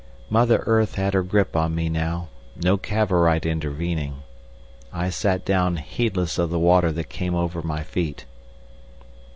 Mother Earth had her grip on me now—no Cavorite intervening. I sat down heedless of the water that came over my feet.